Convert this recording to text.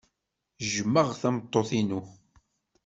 Jjmeɣ tameṭṭut-inu.